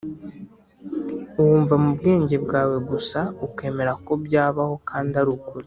wumva mu bwenge bwawe gusa ukemera ko byabaho kandi ari ukuri.